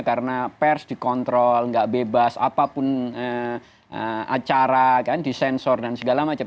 karena pers dikontrol tidak bebas apapun acara disensor dan segala macam